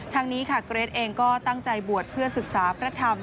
ทางนี้ค่ะเกรทเองก็ตั้งใจบวชเพื่อศึกษาพระธรรม